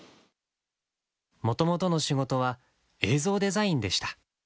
もともとの仕事は映像デザインでした。